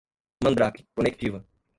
mandrake, conectiva